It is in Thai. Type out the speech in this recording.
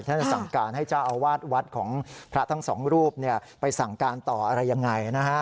จะสั่งการให้เจ้าอาวาสวัดของพระทั้งสองรูปไปสั่งการต่ออะไรยังไงนะฮะ